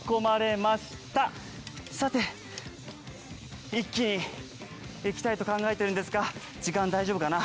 さて一気にいきたいと考えてるんですが時間大丈夫かな？